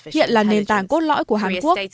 hiện là nền tảng cốt lõi của hàn quốc